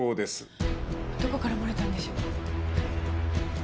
どこから漏れたんでしょう？